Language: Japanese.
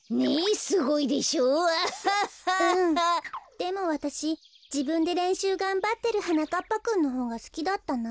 でもわたしじぶんでれんしゅうがんばってるはなかっぱくんのほうがすきだったな。